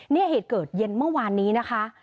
เหตุเกิดเย็นเมื่อวานนี้นะคะ